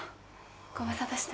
ご無沙汰してます。